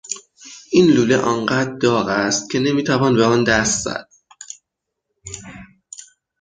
این لوله آنقدر داغ است که نمیتوان به آن دست زد.